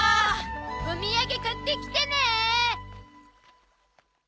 お土産買ってきてね！